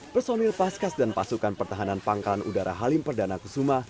personil paskas dan pasukan pertahanan pangkalan udara halim perdana kusuma